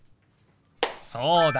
そうだ！